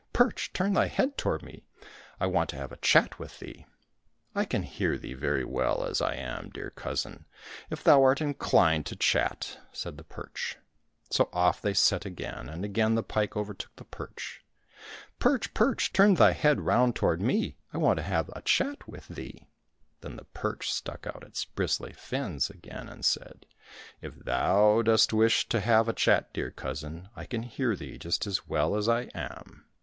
perch ! turn thy head toward me, I want to have a chat with thee !"—" I can hear thee very well as I am, dear cousin, if thou art inclined to chat," said the perch. So off they set again, and again the pike overtook the perch. " Perch ! perch ! turn thy head round toward me, I want to have a chat with thee !" Then the perch stuck out its bristly fins again and said, " If thou dost wish to have a chat, dear cousin, I can hear thee just as well as I am."